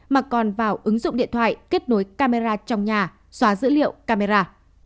mà còn vào ứng dụng điện thoại kết nối camera trong nhà xóa dữ liệu camera